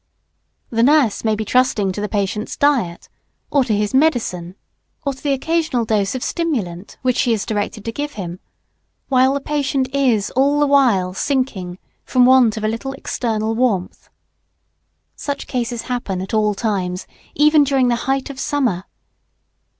The nurse may be trusting to the patient's diet, or to his medicine, or to the occasional dose of stimulant which she is directed to give him, while the patient is all the while sinking from want of a little external warmth. Such cases happen at all times, even during the height of summer.